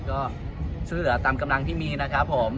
ก็ช่วยเหลือตามกำลังที่มีนะครับผม